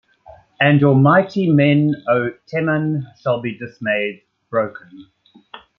And your mighty men, O Teman, shall be dismayed - broken.